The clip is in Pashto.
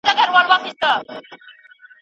د سرچینو ناسم کارول د پرمختګ مخه نیسي.